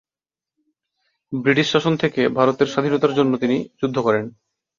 British শাসন থেকে ভারতের স্বাধীনতার জন্য তিনি যুদ্ধ করেন।